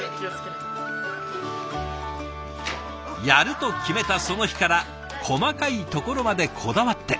やると決めたその日から細かいところまでこだわって。